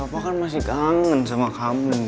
opa kan masih kangen sama kamu